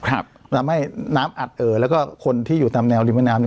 ครับทำให้น้ำอัดเอ่อแล้วก็คนที่อยู่ตามแนวริมน้ำน้ำ